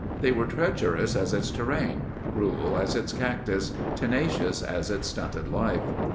They were treacherous as its terrain. Cruel as its cactus. Tenacious as its stunted life.